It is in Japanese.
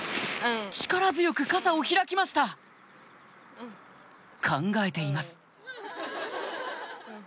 力強く傘を開きました考えています